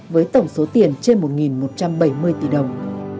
với tổng số tiền trên một một trăm bảy mươi tỷ đồng